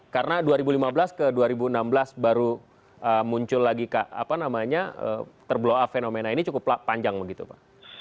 karena dua ribu lima belas ke dua ribu enam belas baru muncul lagi terbela'ah fenomena ini cukup panjang begitu pak